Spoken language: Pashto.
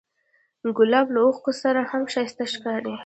ګلاب له اوښکو سره هم ښایسته ښکاري.